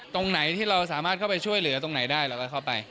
ตรงไหนที่เราสามารถเข้าไปช่วยเหลือตรงไหนได้เราก็เข้าไป